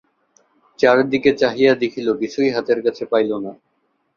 চারিদিকে চাহিয়া দেখিল কিছুই হাতের কাছে পাইল না।